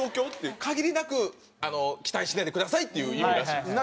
限りなく期待しないでくださいっていう意味らしいんですよ。